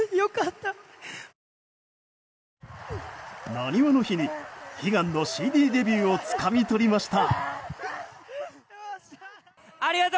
なにわの日に悲願のＣＤデビューをつかみ取りました。